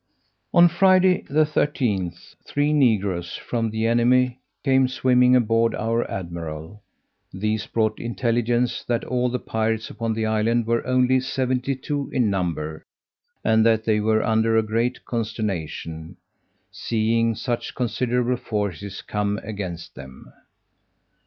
On Friday the 13th, three negroes, from the enemy, came swimming aboard our admiral; these brought intelligence that all the pirates upon the island were only seventy two in number, and that they were under a great consternation, seeing such considerable forces come against them.